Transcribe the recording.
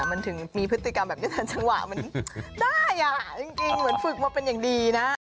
มันถึงมีพฤติกรรมแบบนี้ทันจังหวะมันได้อ่ะจริงเหมือนฝึกมาเป็นอย่างดีนะ